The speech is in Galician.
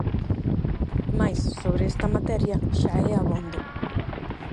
Mais, sobre esta materia, xa é abondo.